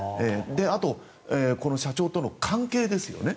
あと、この社長との関係ですよね。